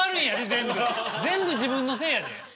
全部自分のせいやで。